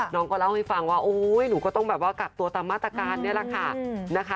น้องก็เล่าให้ฟังว่าโอ้ยหนูก็ต้องกลับตัวตามมาตรการนี่แหละค่ะ